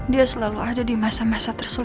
dia selalu ada di masa masa tersebut